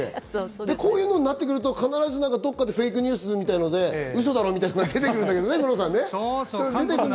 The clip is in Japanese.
こうくのになってくると必ずどっかでフェイクニュースみたいなのでウソだろ？みたいなのが出てくるんだけど。